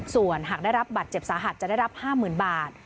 ส่วนหากได้รับบัตรเจ็บสาหัสจะได้รับ๕๐๐๐บาท